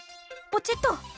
ポチッと。